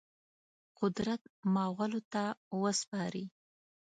قدرت مغولو ته وسپاري.